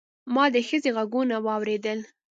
ما د ښځې غږونه واورېدل.